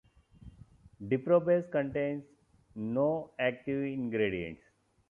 Diprobase contains no 'active ingredients'.